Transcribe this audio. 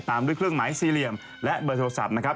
ตามด้วยเครื่องหมายสี่เหลี่ยมและเบอร์โทรศัพท์นะครับ